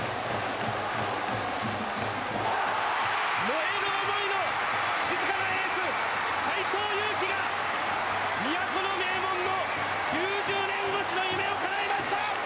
燃える思いの静かなエース斎藤佑樹が都の名門の９０年越しの夢をかなえました！！